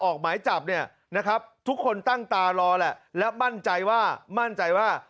ออกหมายจับเนี่ยนะครับทุกคนตั้งตารอแหละและมั่นใจว่ามั่นใจว่า